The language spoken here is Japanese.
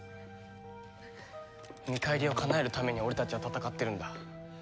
見返りをかなえるために俺たちは戦ってるんだ。